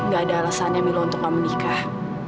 gak ada alasannya milo untuk gak menikah